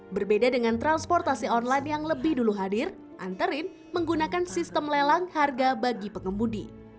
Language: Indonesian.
berbeda dengan transportasi online yang lebih dulu hadir anterin menggunakan sistem lelang harga bagi pengemudi